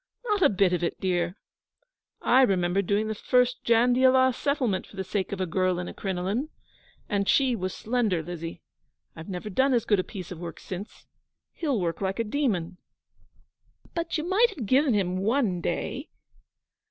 'Not a bit of it, dear I remember doing the first Jandiala Settlement for the sake of a girl in a crinoline; and she was slender, Lizzie. I've never done as good a piece of work since. He'll work like a demon.' 'But you might have given him one day.'